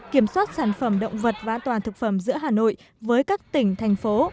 kiểm soát sản phẩm động vật và an toàn thực phẩm giữa hà nội với các tỉnh thành phố